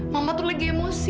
mama tuh lagi emosi